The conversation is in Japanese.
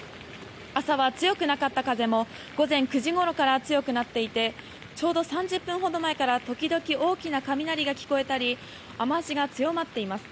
朝は強くなかった風も午前９時ごろから強くなっていてちょうど３０分ほど前から時々大きな雷が聞こえたり雨脚が強まっています。